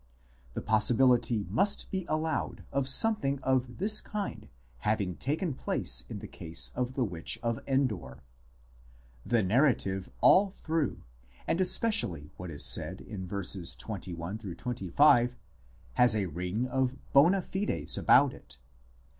The possibility must be allowed of something of this kind having taken place in the case of the witch of Endor. The narrative all through, and especially what is said in verses 21 25, has a ring of bona fides about it.